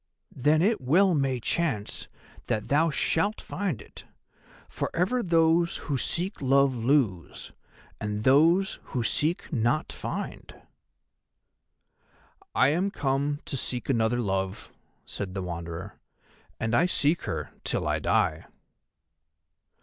"Then it well may chance that thou shalt find it, for ever those who seek love lose, and those who seek not find." "I am come to seek another love," said the Wanderer, "and I seek her till I die."